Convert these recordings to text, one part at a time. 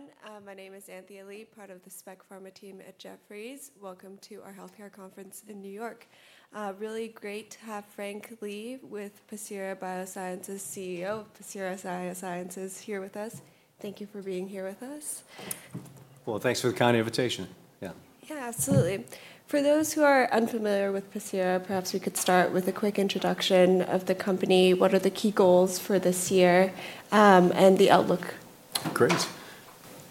Everyone. My name is Anthea Li, part of the spec pharma team at Jefferies. Welcome to our healthcare conference in New York. Really great to have Frank Lee with Pacira BioSciences, CEO of Pacira BioSciences, here with us. Thank you for being here with us. Well, thanks for the kind invitation. Yeah. Yeah, absolutely. For those who are unfamiliar with Pacira, perhaps we could start with a quick introduction of the company. What are the key goals for this year, and the outlook? Great.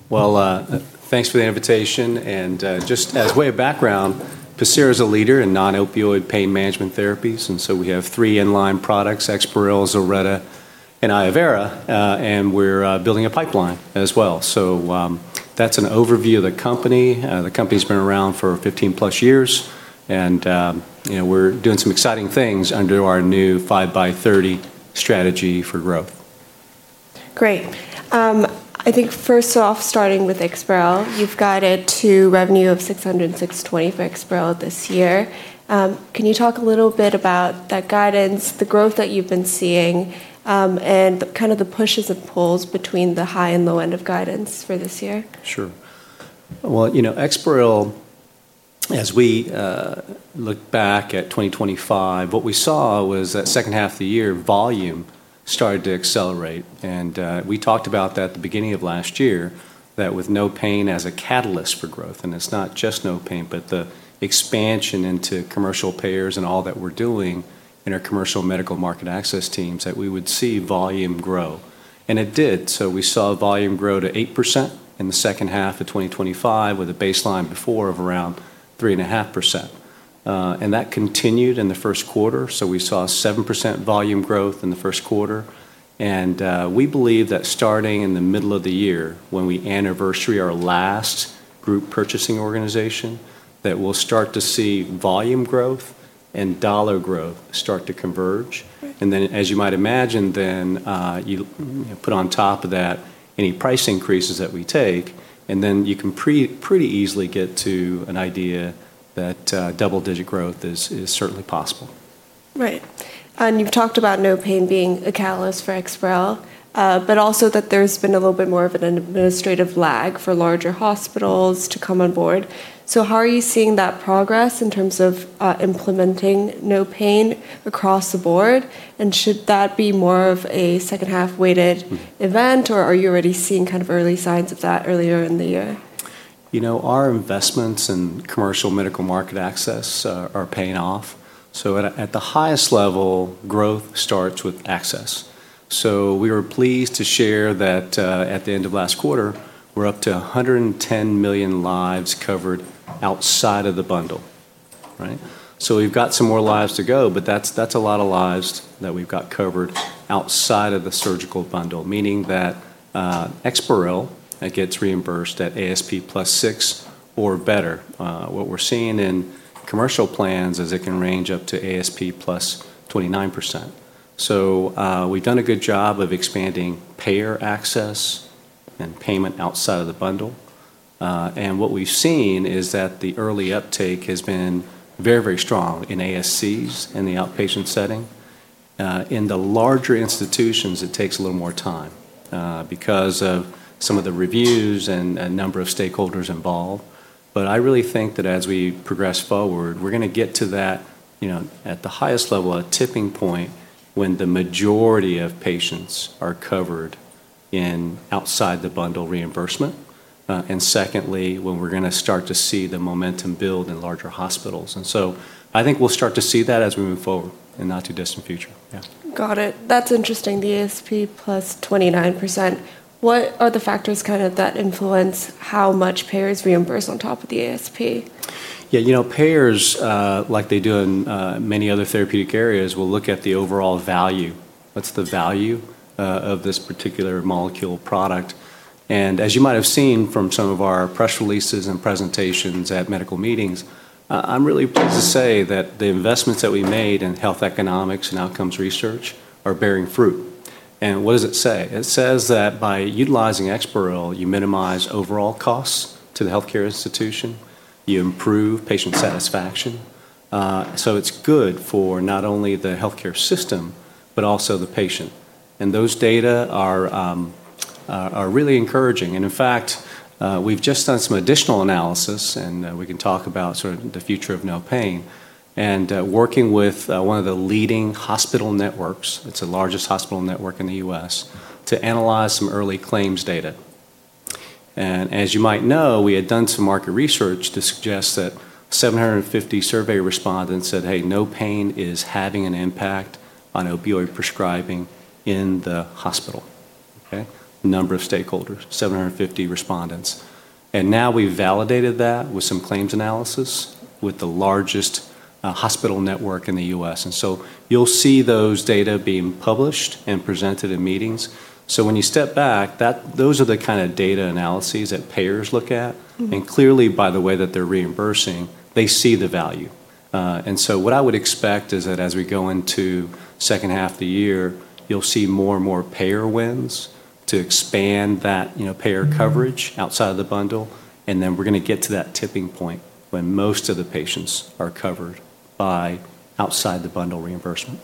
Well, thanks for the invitation, just as way of background, Pacira's a leader in non-opioid pain management therapies. We have three in-line products, EXPAREL, ZILRETTA, and iovera, and we're building a pipeline as well. That's an overview of the company. The company's been around for 15 plus years, and we're doing some exciting things under our new 5x30 strategy for growth. Great. I think first off, starting with EXPAREL, you've guided to revenue of $600-$620 for EXPAREL this year. Can you talk a little bit about that guidance, the growth that you've been seeing, and the pushes and pulls between the high and low end of guidance for this year? Sure. EXPAREL, as we look back at 2025, what we saw was that second half of the year, volume started to accelerate. We talked about that at the beginning of last year, that with NOPAIN Act as a catalyst for growth. It's not just NOPAIN Act, but the expansion into commercial payers and all that we're doing in our commercial medical market access teams, that we would see volume grow. It did. We saw volume grow to 8% in the second half of 2025, with a baseline before of around 3.5%. That continued in the first quarter. We saw 7% volume growth in the first quarter. We believe that starting in the middle of the year when we anniversary our last group purchasing organization, that we'll start to see volume growth and dollar growth start to converge. Right. Then, as you might imagine then, you put on top of that any price increases that we take, and then you can pretty easily get to an idea that double-digit growth is certainly possible. Right. You've talked about NOPAIN Act being a catalyst for EXPAREL, but also that there's been a little bit more of an administrative lag for larger hospitals to come on board. How are you seeing that progress in terms of implementing NOPAIN Act across the board? Should that be more of a second half weighted event, or are you already seeing early signs of that earlier in the year? Our investments in commercial medical market access are paying off. At the highest level, growth starts with access. We were pleased to share that at the end of last quarter, we're up to 110 million lives covered outside of the bundle. Right? We've got some more lives to go, but that's a lot of lives that we've got covered outside of the surgical bundle, meaning that EXPAREL, it gets reimbursed at ASP plus six or better. What we're seeing in commercial plans is it can range up to ASP plus 29%. We've done a good job of expanding payer access and payment outside of the bundle. What we've seen is that the early uptake has been very strong in ASCs, in the outpatient setting. In the larger institutions, it takes a little more time because of some of the reviews and number of stakeholders involved. I really think that as we progress forward, we're going to get to that at the highest level, a tipping point when the majority of patients are covered in outside the bundle reimbursement. Secondly, when we're going to start to see the momentum build in larger hospitals. I think we'll start to see that as we move forward in the not-too-distant future. Yeah. Got it. That's interesting, the ASP plus 29%. What are the factors that influence how much payers reimburse on top of the ASP? Yeah, payers, like they do in many other therapeutic areas, will look at the overall value. What's the value of this particular molecule product? As you might have seen from some of our press releases and presentations at medical meetings, I'm really pleased to say that the investments that we made in health economics and outcomes research are bearing fruit. What does it say? It says that by utilizing EXPAREL, you minimize overall costs to the healthcare institution, you improve patient satisfaction. It's good for not only the healthcare system, but also the patient. Those data are really encouraging. In fact, we've just done some additional analysis, and we can talk about sort of the future of NOPAIN Act, and working with one of the leading hospital networks, it's the largest hospital network in the U.S., to analyze some early claims data. As you might know, we had done some market research to suggest that 750 survey respondents said, "Hey, NOPAIN Act is having an impact on opioid prescribing in the hospital." Okay? Number of stakeholders, 750 respondents. Now we've validated that with some claims analysis with the largest hospital network in the U.S. You'll see those data being published and presented in meetings. When you step back, those are the kind of data analyses that payers look at. Clearly, by the way that they're reimbursing, they see the value. What I would expect is that as we go into second half of the year, you'll see more and more payer wins to expand that payer coverage outside of the bundle, and then we're going to get to that tipping point when most of the patients are covered by outside the bundle reimbursement.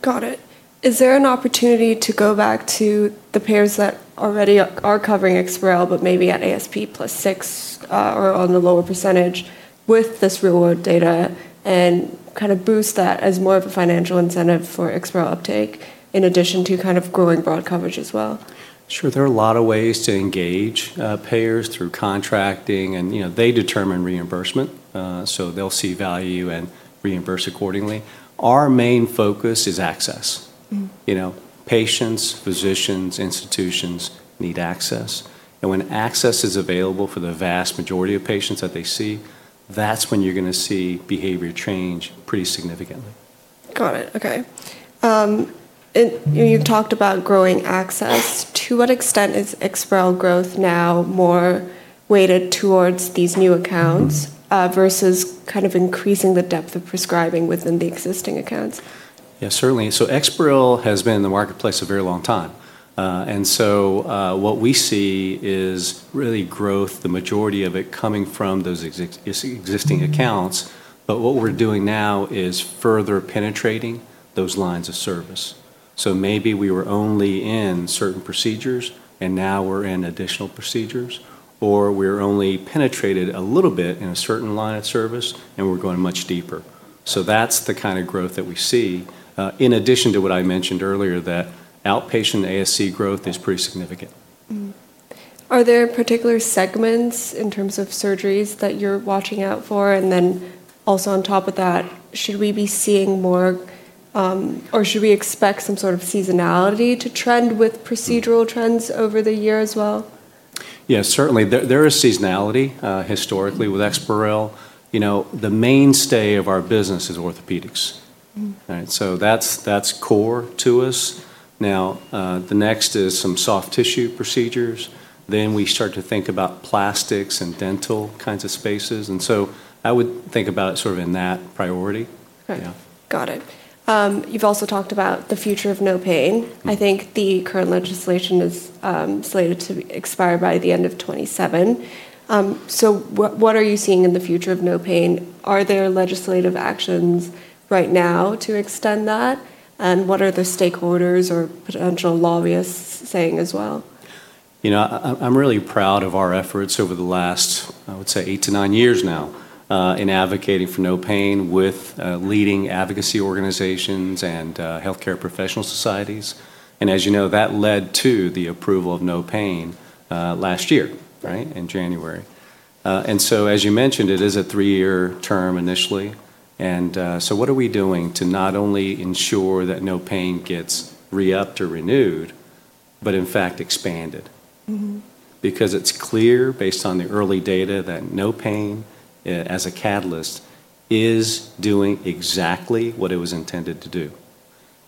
Got it. Is there an opportunity to go back to the payers that already are covering EXPAREL but maybe at ASP plus six, or on the lower percentage with this real-world data and boost that as more of a financial incentive for EXPAREL uptake in addition to growing broad coverage as well? Sure. There are a lot of ways to engage payers through contracting, and they determine reimbursement, so they'll see value and reimburse accordingly. Our main focus is access. Patients, physicians, institutions need access. When access is available for the vast majority of patients that they see, that's when you're going to see behavior change pretty significantly. Got it. Okay. You've talked about growing access. To what extent is EXPAREL growth now more weighted towards these new accounts versus increasing the depth of prescribing within the existing accounts? Yeah, certainly. EXPAREL has been in the marketplace a very long time. What we see is really growth, the majority of it coming from those existing accounts. What we're doing now is further penetrating those lines of service. Maybe we were only in certain procedures, and now we're in additional procedures, or we're only penetrated a little bit in a certain line of service, and we're going much deeper. That's the kind of growth that we see, in addition to what I mentioned earlier, that outpatient ASC growth is pretty significant. Mm-hmm. Are there particular segments in terms of surgeries that you're watching out for? Also on top of that, should we be seeing more, or should we expect some sort of seasonality to trend with procedural trends over the year as well? Yeah, certainly. There is seasonality historically with EXPAREL. The mainstay of our business is orthopedics. That's core to us. The next is some soft tissue procedures. We start to think about plastics and dental kinds of spaces. I would think about it sort of in that priority. Okay. Yeah. Got it. You've also talked about the future of NOPAIN. I think the current legislation is slated to expire by the end of 2027. What are you seeing in the future of NOPAIN? Are there legislative actions right now to extend that? What are the stakeholders or potential lobbyists saying as well? I'm really proud of our efforts over the last, I would say, eight to nine years now, in advocating for NOPAIN with leading advocacy organizations and healthcare professional societies. As you know, that led to the approval of NOPAIN last year. Right in January. As you mentioned, it is a three-year term initially. What are we doing to not only ensure that NOPAIN gets re-upped or renewed, but in fact expanded? It's clear, based on the early data, that NOPAIN, as a catalyst, is doing exactly what it was intended to do.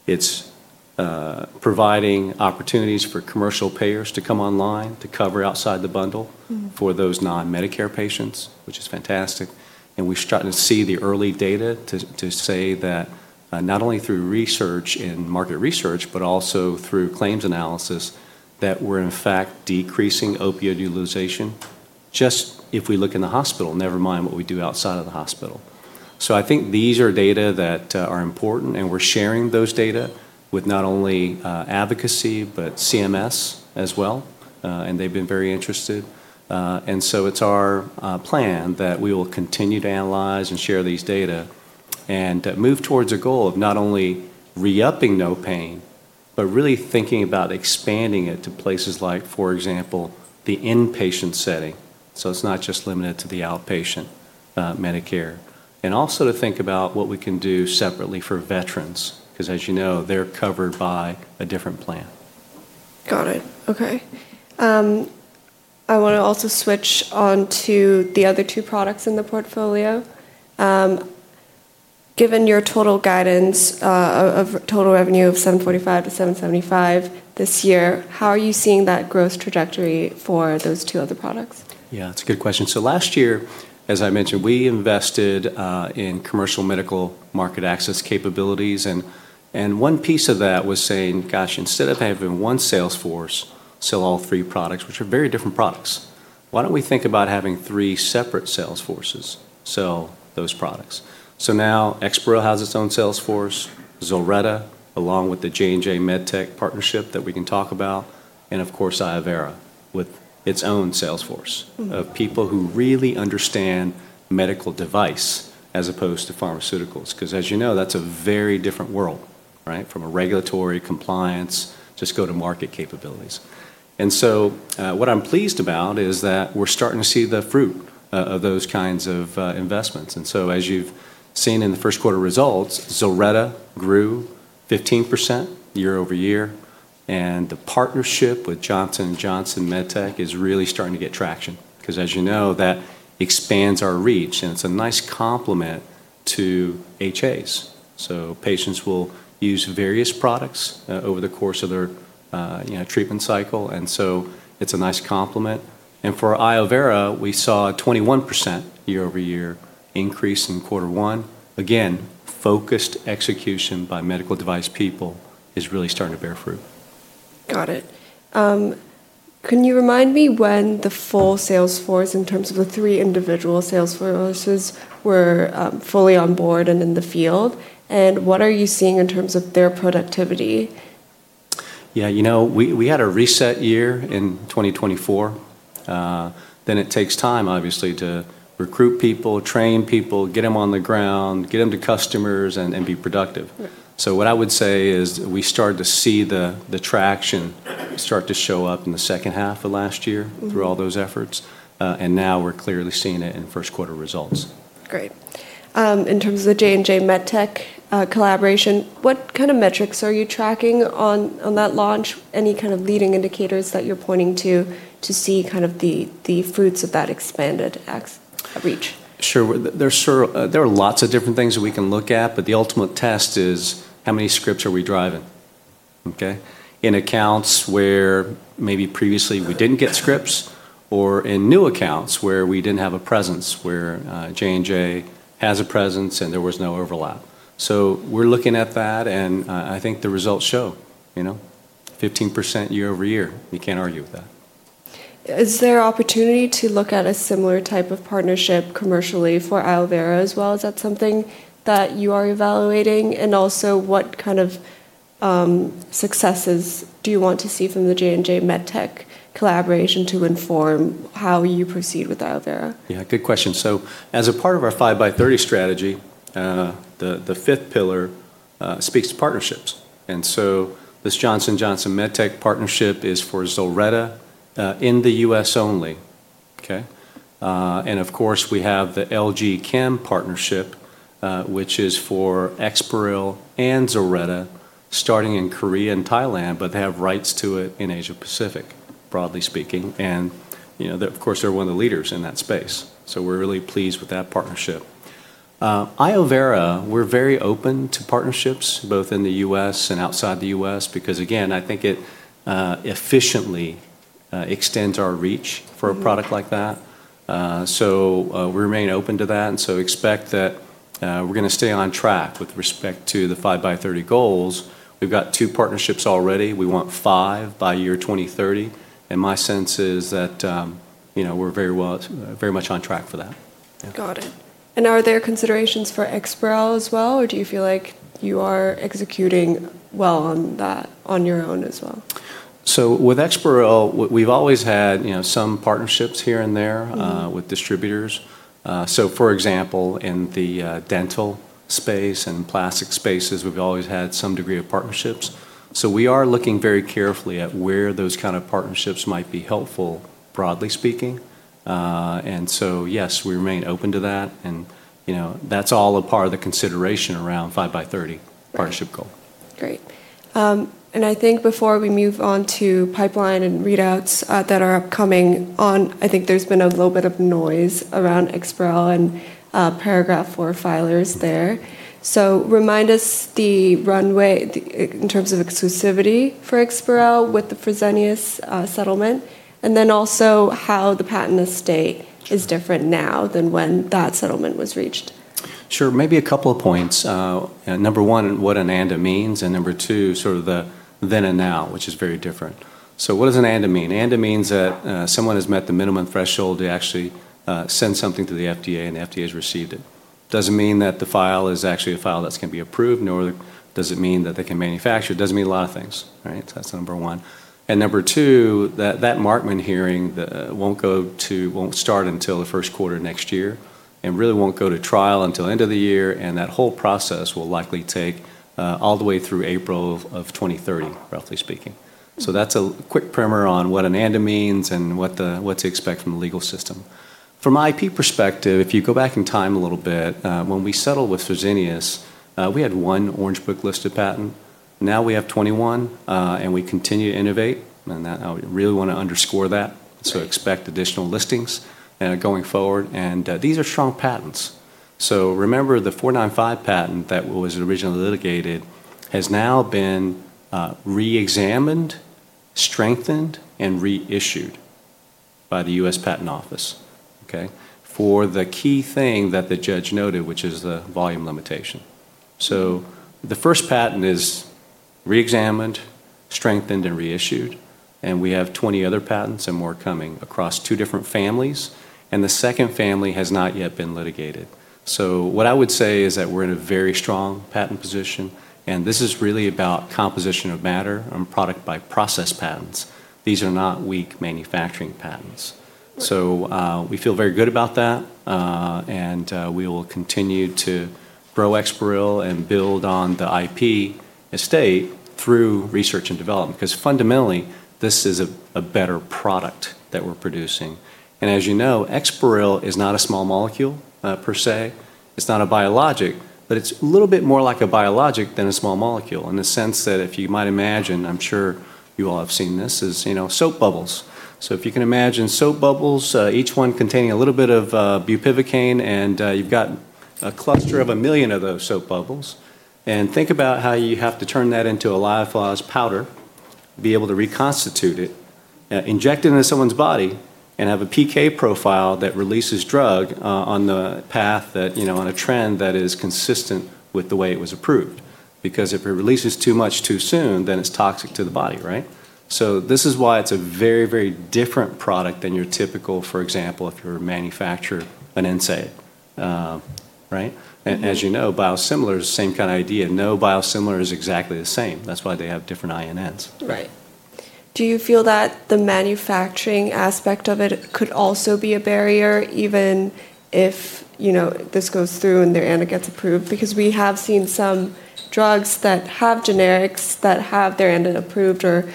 It's providing opportunities for commercial payers to come online to cover outside the bundle for those non-Medicare patients, which is fantastic. We're starting to see the early data to say that not only through research and market research, but also through claims analysis, that we're in fact decreasing opioid utilization. Just if we look in the hospital, never mind what we do outside of the hospital. I think these are data that are important, and we're sharing those data with not only advocacy, but CMS as well, and they've been very interested. It's our plan that we will continue to analyze and share these data and move towards a goal of not only re-upping NOPAIN, but really thinking about expanding it to places like, for example, the inpatient setting, so it's not just limited to the outpatient Medicare. Also to think about what we can do separately for veterans, because as you know, they're covered by a different plan. Got it. Okay. I want to also switch on to the other two products in the portfolio. Given your total guidance of total revenue of $745-$775 this year, how are you seeing that growth trajectory for those two other products? Yeah, that's a good question. Last year, as I mentioned, we invested in commercial medical market access capabilities, and one piece of that was saying, "Gosh, instead of having one sales force sell all three products, which are very different products, why don't we think about having three separate sales forces sell those products?" Now EXPAREL has its own sales force, ZILRETTA, along with the J&J MedTech partnership that we can talk about, and of course, iovera, with its own sales force of people who really understand medical device as opposed to pharmaceuticals. Because as you know, that's a very different world from a regulatory compliance, just go-to-market capabilities. What I'm pleased about is that we're starting to see the fruit of those kinds of investments. As you've seen in the first quarter results, ZILRETTA grew 15% year-over-year, and the partnership with Johnson & Johnson MedTech is really starting to get traction, because as you know, that expands our reach, and it's a nice complement to HAs. Patients will use various products over the course of their treatment cycle, and so it's a nice complement. For iovera, we saw a 21% year-over-year increase in quarter one. Again, focused execution by medical device people is really starting to bear fruit. Got it. Can you remind me when the full sales force, in terms of the three individual sales forces, were fully on board and in the field? What are you seeing in terms of their productivity? Yeah, we had a reset year in 2024. It takes time, obviously, to recruit people, train people, get them on the ground, get them to customers, and be productive. Right. What I would say is we started to see the traction start to show up in the second half of last year through all those efforts. Now we're clearly seeing it in first quarter results. Great. In terms of the J&J MedTech collaboration, what kind of metrics are you tracking on that launch? Any kind of leading indicators that you're pointing to to see the fruits of that expanded reach? Sure. There are lots of different things that we can look at, but the ultimate test is how many scripts are we driving. Okay? In accounts where maybe previously we didn't get scripts, or in new accounts where we didn't have a presence, where J&J has a presence and there was no overlap. We're looking at that, and I think the results show. 15% year-over-year. You can't argue with that. Is there opportunity to look at a similar type of partnership commercially for iovera as well? Is that something that you are evaluating? Also, what kind of successes do you want to see from the J&J MedTech collaboration to inform how you proceed with iovera? Yeah, good question. As a part of our 5x30 strategy, the fifth pillar speaks to partnerships. This Johnson & Johnson MedTech partnership is for ZILRETTA in the U.S. only. Okay? Of course, we have the LG Chem partnership, which is for EXPAREL and ZILRETTA, starting in Korea and Thailand, but they have rights to it in Asia Pacific, broadly speaking. Of course, they're one of the leaders in that space. We're really pleased with that partnership. iovera, we're very open to partnerships, both in the U.S. and outside the U.S., because again, I think it efficiently extends our reach for a product like that. We remain open to that, and so expect that we're going to stay on track with respect to the 5x30 goals. We've got two partnerships already. We want five by year 2030. My sense is that we're very much on track for that. Yeah. Are there considerations for EXPAREL as well, or do you feel like you are executing well on that on your own as well? With EXPAREL, we've always had some partnerships here and there. For example, in the dental space and plastic spaces, we've always had some degree of partnerships. We are looking very carefully at where those kind of partnerships might be helpful, broadly speaking. Yes, we remain open to that. That's all a part of the consideration around 5x30 partnership goal. Great. I think before we move on to pipeline and readouts that are upcoming on, I think there's been a little bit of noise around EXPAREL and Paragraph IV filers there. Remind us the runway in terms of exclusivity for EXPAREL with the Fresenius settlement, and then also how the patent estate is different now than when that settlement was reached? Sure. Maybe a couple of points. Number one, what an ANDA means, and number two, sort of the then and now, which is very different. What does an ANDA mean? ANDA means that someone has met the minimum threshold to actually send something to the FDA, and the FDA has received it. Doesn't mean that the file is actually a file that's going to be approved, nor does it mean that they can manufacture it. Doesn't mean a lot of things, right? That's number one. Number two, that Markman hearing won't start until the first quarter next year, and really won't go to trial until end of the year, and that whole process will likely take all the way through April of 2030, roughly speaking. That's a quick primer on what an ANDA means and what to expect from the legal system. From an IP perspective, if you go back in time a little bit, when we settled with Fresenius, we had one Orange Book listed patent. Now we have 21, and we continue to innovate. I really want to underscore that. Expect additional listings going forward. These are strong patents. Remember, the '495 patent that was originally litigated has now been re-examined, strengthened, and reissued by the U.S. Patent Office. For the key thing that the judge noted, which is the volume limitation. The first patent is re-examined, strengthened, and reissued, and we have 20 other patents and more coming across two different families. The second family has not yet been litigated. What I would say is that we're in a very strong patent position, and this is really about composition of matter and product by process patents. These are not weak manufacturing patents. We feel very good about that, and we will continue to grow EXPAREL and build on the IP estate through research and development. Because fundamentally, this is a better product that we're producing. As you know, EXPAREL is not a small molecule per se. It's not a biologic. It's a little bit more like a biologic than a small molecule in the sense that if you might imagine, I'm sure you all have seen this, is soap bubbles. If you can imagine soap bubbles, each one containing a little bit of bupivacaine, and you've got a cluster of 1 million of those soap bubbles. Think about how you have to turn that into a lyophilized powder, be able to reconstitute itInject it into someone's body and have a PK profile that releases drug on the path that, on a trend that is consistent with the way it was approved. If it releases too much too soon, then it's toxic to the body, right? This is why it's a very different product than your typical, for example, if you were to manufacture an NSAID. Right? As you know, biosimilars, same kind of idea. No biosimilar is exactly the same. That's why they have different INNs. Right. Do you feel that the manufacturing aspect of it could also be a barrier, even if this goes through and their ANDA gets approved? We have seen some drugs that have generics that have their ANDA approved or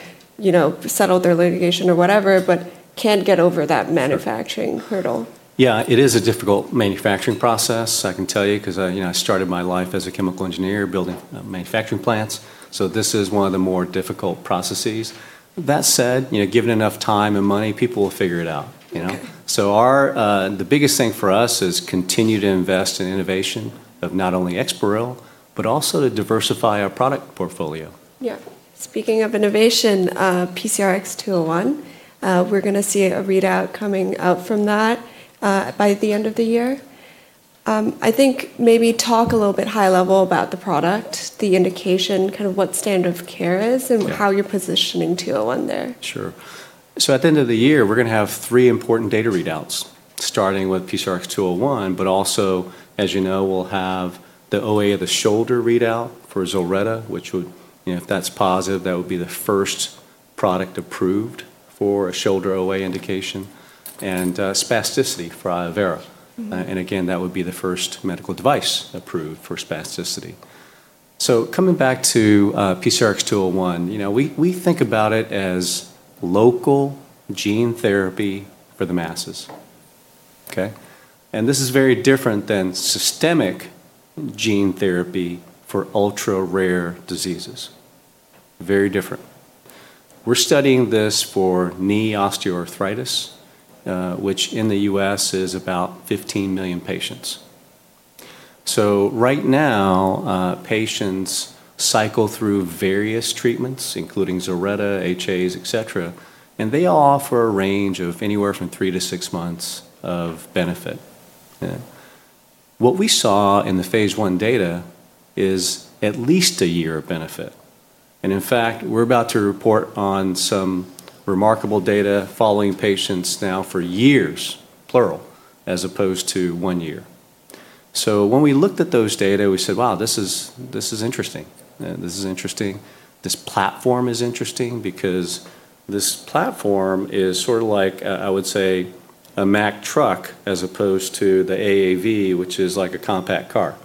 settle their litigation or whatever, but can't get over that manufacturing hurdle. Yeah. It is a difficult manufacturing process, I can tell you, because I started my life as a chemical engineer building manufacturing plants. This is one of the more difficult processes. That said, given enough time and money, people will figure it out. Okay. The biggest thing for us is continue to invest in innovation of not only EXPAREL, but also to diversify our product portfolio. Yeah. Speaking of innovation, PCRX-201, we're going to see a readout coming out from that by the end of the year. I think maybe talk a little bit high level about the product, the indication, kind of what standard of care is. Yeah How you're positioning 201 there. Sure. At the end of the year, we're going to have three important data readouts, starting with PCRX-201, but also, as you know, we'll have the OA of the shoulder readout for ZILRETTA, which would, if that's positive, that would be the first product approved for a shoulder OA indication, and spasticity for iovera. Again, that would be the first medical device approved for spasticity. Coming back to PCRX-201, we think about it as local gene therapy for the masses. Okay? This is very different than systemic gene therapy for ultra-rare diseases. Very different. We're studying this for knee osteoarthritis, which in the U.S. is about 15 million patients. Right now, patients cycle through various treatments, including ZILRETTA, HAs, et cetera, and they all offer a range of anywhere from three to six months of benefit. What we saw in the phase I data is at least one year of benefit. In fact, we're about to report on some remarkable data following patients now for years, plural, as opposed to one year. When we looked at those data, we said, "Wow, this is interesting." This platform is interesting because this platform is sort of like, I would say, a Mack truck as opposed to the AAV, which is like a compact car.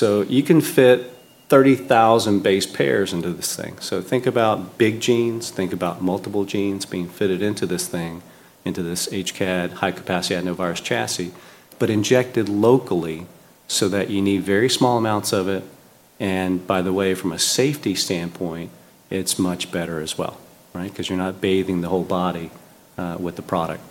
You can fit 30,000 base pairs into this thing. Think about big genes, think about multiple genes being fitted into this thing, into this HCAd, high capacity adenovirus chassis, but injected locally so that you need very small amounts of it. By the way, from a safety standpoint, it's much better as well. Right? Because you're not bathing the whole body with the product.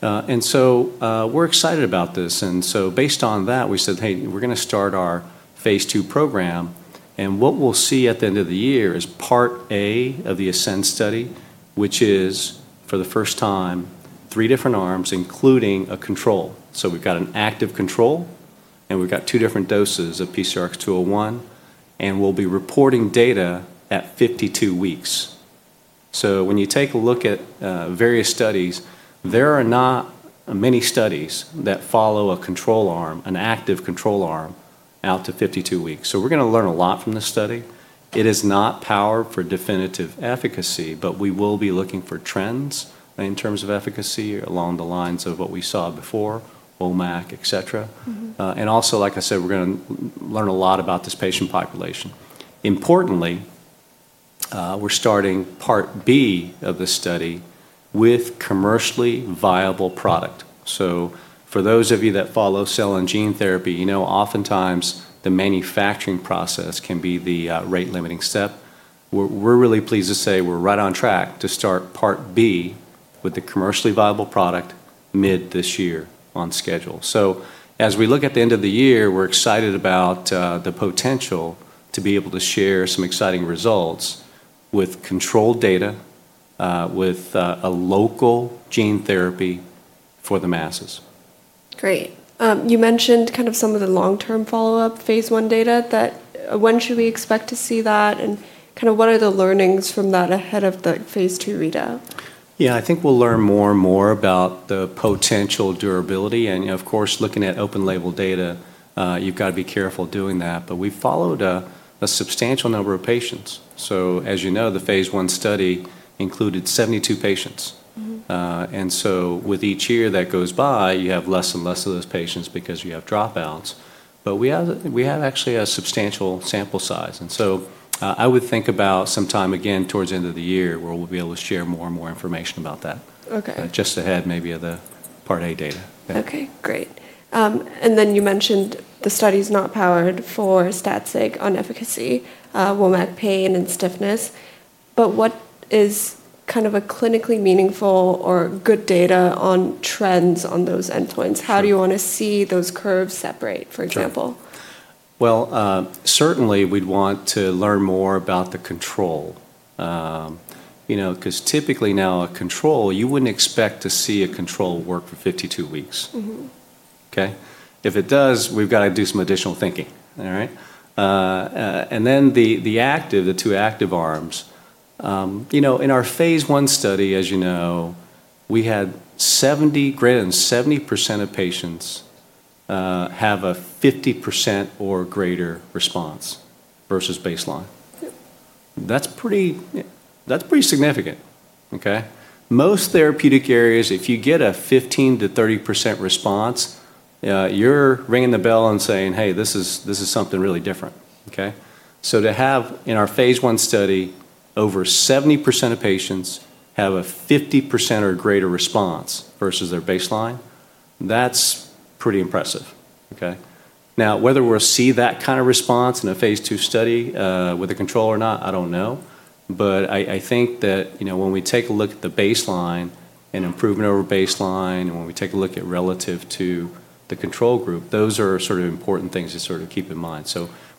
We're excited about this. Based on that, we said, "Hey, we're going to start our phase II program," and what we'll see at the end of the year is Part A of the ASCEND study, which is for the first time, three different arms, including a control. We've got an active control, and we've got two different doses of PCRX-201, and we'll be reporting data at 52 weeks. When you take a look at various studies, there are not many studies that follow a control arm, an active control arm out to 52 weeks. We're going to learn a lot from this study. It is not powered for definitive efficacy, we will be looking for trends in terms of efficacy along the lines of what we saw before, WOMAC, et cetera. Like I said, we're going to learn a lot about this patient population. Importantly, we're starting Part B of the study with commercially viable product. For those of you that follow cell and gene therapy, you know oftentimes the manufacturing process can be the rate-limiting step. We're really pleased to say we're right on track to start Part B with a commercially viable product mid this year on schedule. As we look at the end of the year, we're excited about the potential to be able to share some exciting results with controlled data, with a local gene therapy for the masses. Great. You mentioned some of the long-term follow-up phase I data. When should we expect to see that, and what are the learnings from that ahead of the phase II readout? Yeah. I think we'll learn more and more about the potential durability, and of course, looking at open label data, you've got to be careful doing that. We followed a substantial number of patients, so as you know, the phase I study included 72 patients. With each year that goes by, you have less and less of those patients because you have dropouts. We have actually a substantial sample size. I would think about sometime again towards the end of the year where we'll be able to share more and more information about that. Okay. Just ahead maybe of the Part A data. Yeah. Okay, great. You mentioned the study's not powered for stats sake on efficacy, WOMAC pain and stiffness. What is kind of a clinically meaningful or good data on trends on those endpoints? How do you want to see those curves separate, for example? Well, certainly we'd want to learn more about the control. Typically now a control, you wouldn't expect to see a control work for 52 weeks. Okay? If it does, we've got to do some additional thinking. All right? The two active arms in our phase I study, as you know, had greater than 70% of patients have a 50% or greater response versus baseline. Yeah. That's pretty significant. Okay. Most therapeutic areas, if you get a 15%-30% response, you're ringing the bell and saying, "Hey, this is something really different." Okay. To have, in our phase I study, over 70% of patients have a 50% or greater response versus their baseline, that's pretty impressive. Okay. Whether we'll see that kind of response in a phase II study, with a control or not, I don't know, but I think that when we take a look at the baseline and improvement over baseline, and when we take a look at relative to the control group, those are important things to keep in mind.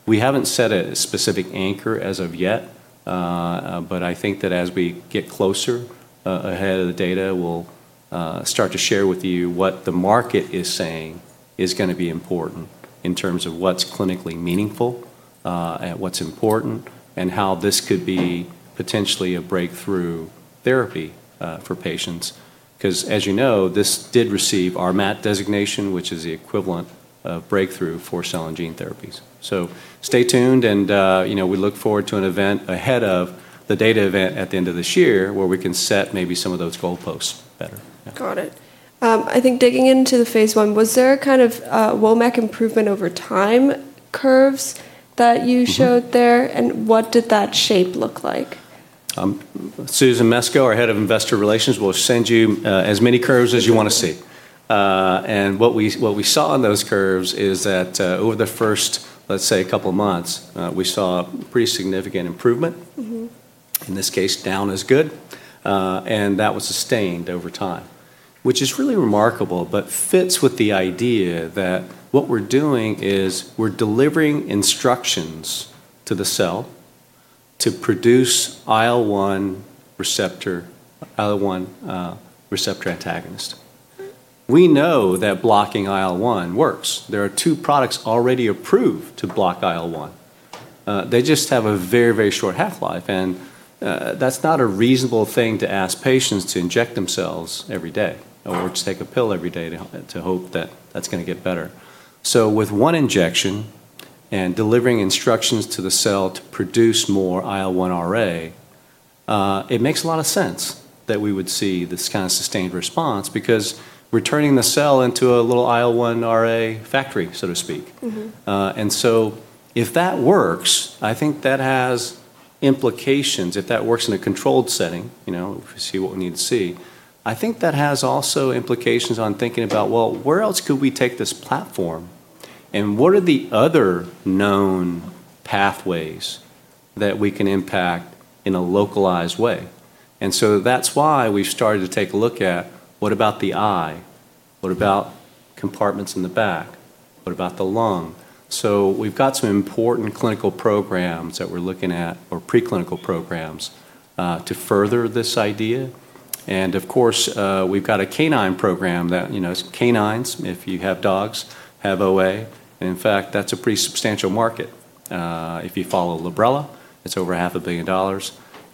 We haven't set a specific anchor as of yet. I think that as we get closer ahead of the data, we'll start to share with you what the market is saying is going to be important in terms of what's clinically meaningful, what's important, and how this could be potentially a breakthrough therapy for patients. As you know, this did receive our RMAT designation, which is the equivalent of breakthrough for cell and gene therapies. Stay tuned and we look forward to an event ahead of the data event at the end of this year where we can set maybe some of those goalposts better. Got it. I think digging into the phase I, was there a kind of WOMAC improvement over time curves that you showed there, and what did that shape look like? Susan Mesco, our Head of Investor Relations, will send you as many curves as you want to see. What we saw on those curves is that over the first, let's say a couple of months, we saw pretty significant improvement. In this case, down is good. That was sustained over time, which is really remarkable, but fits with the idea that what we're doing is we're delivering instructions to the cell to produce IL-1 receptor antagonist. We know that blocking IL-1 works. There are two products already approved to block IL-1. They just have a very short half-life, and that's not a reasonable thing to ask patients to inject themselves every day, or just take a pill every day to hope that that's going to get better. With one injection and delivering instructions to the cell to produce more IL-1RA, it makes a lot of sense that we would see this kind of sustained response, because we're turning the cell into a little IL-1RA factory, so to speak. If that works, I think that has implications. If that works in a controlled setting, see what we need to see, I think that has also implications on thinking about, where else could we take this platform? What are the other known pathways that we can impact in a localized way? That's why we've started to take a look at what about the eye? What about compartments in the back? What about the lung? We've got some important clinical programs that we're looking at, or preclinical programs, to further this idea. Of course, we've got a canine program that canines, if you have dogs, have OA. In fact, that's a pretty substantial market. If you follow Librela, it's over $500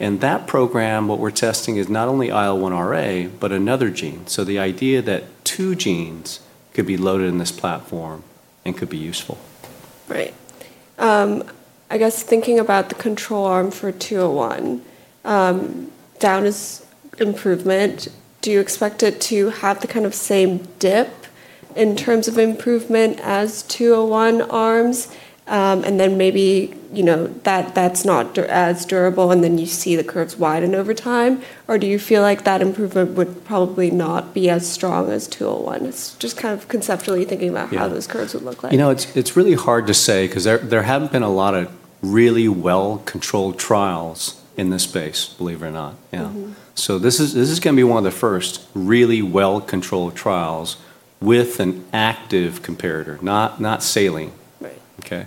million. That program, what we're testing is not only IL-1RA, but another gene. The idea that two genes could be loaded in this platform and could be useful. Right. I guess thinking about the control arm for 201, down is improvement. Do you expect it to have the kind of same dip in terms of improvement as 201 arms? Maybe that's not as durable, you see the curves widen over time? Do you feel like that improvement would probably not be as strong as 201's? Just kind of conceptually thinking about how those curves would look like. It's really hard to say because there haven't been a lot of really well-controlled trials in this space, believe it or not. Yeah. This is going to be one of the first really well-controlled trials with an active comparator, not saline. Right.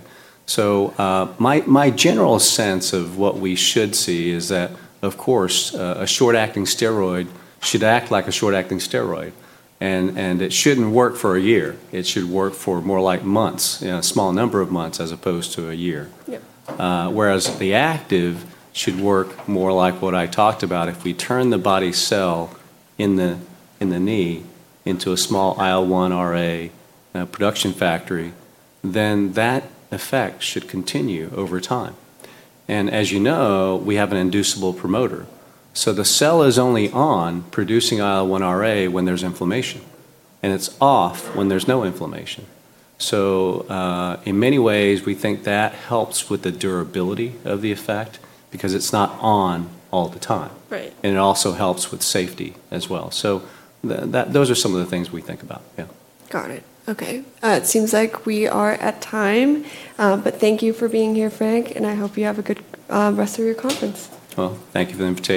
Okay? My general sense of what we should see is that, of course, a short-acting steroid should act like a short-acting steroid, and it shouldn't work for a year. It should work for more like months, a small number of months, as opposed to a year. Yeah. Whereas the active should work more like what I talked about. If we turn the body cell in the knee into a small IL-1RA production factory, that effect should continue over time. As you know, we have an inducible promoter. The cell is only on producing IL-1RA when there's inflammation, and it's off when there's no inflammation. In many ways, we think that helps with the durability of the effect because it's not on all the time. Right. It also helps with safety as well. Those are some of the things we think about. Yeah. Got it. Okay. It seems like we are at time. Thank you for being here, Frank, and I hope you have a good rest of your conference. Well, thank you for the invitation.